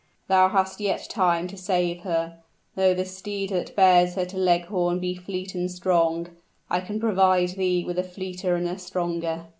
"Thou hast yet time to save her; though the steed that bears her to Leghorn be fleet and strong, I can provide thee with a fleeter and a stronger.